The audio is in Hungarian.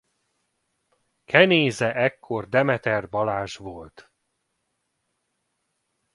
Kenéze ekkor Demeter Balázs volt.